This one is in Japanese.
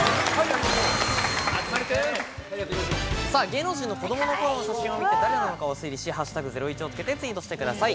芸能人の子どもの頃の写真を見て誰なのかを推理し、「＃ゼロイチ」をつけてツイートしてください。